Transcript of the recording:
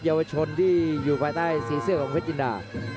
เยาวชนที่อยู่ภายใต้สีเสื้อของเพชรจินดา